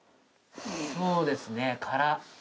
そうですね空。